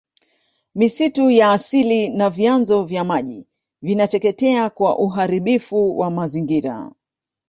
misitu ya asili na vyanzo vya maji vinateketea kwa uharibifu wa mazingira